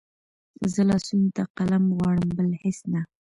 زه لاسونو ته قلم غواړم بل هېڅ نه